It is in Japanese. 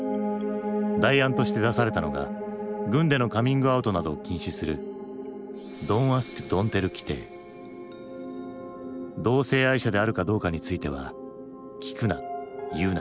代案として出されたのが軍でのカミングアウトなどを禁止する同性愛者であるかどうかについては「聞くな言うな」